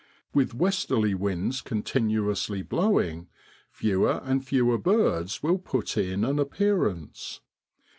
With westerly winds continuously blowing fewer and fewer birds will put in an appearance.